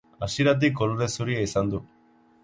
Hasieratik kolore zuria izan du.